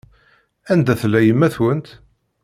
Anda tella yemma-twent?